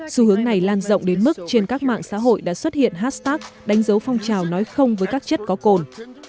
xu hướng này lan rộng đến mức trên các mạng xã hội đã xuất hiện hashtag đánh dấu phong trào nói không với các chất có cồn